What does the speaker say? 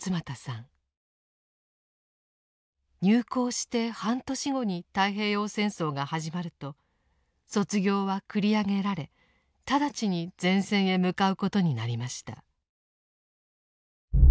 入校して半年後に太平洋戦争が始まると卒業は繰り上げられ直ちに前線へ向かうことになりました。